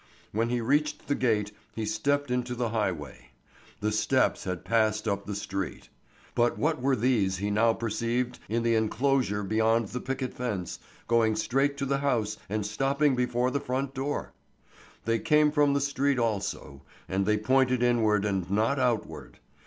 When he reached the gate he stepped into the highway. The steps had passed up the street. But what were these he now perceived in the inclosure beyond the picket fence, going straight to the house and stopping before the front door? They came from the street also, and they pointed inward and not outward.